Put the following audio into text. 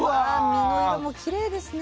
身の色もきれいですね。